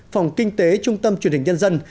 phòng kinh tế trung tâm truyền hình nhân dân